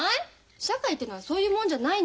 社会ってのはそういうもんじゃないの。